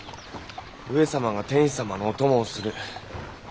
上様が天子様のお供をする。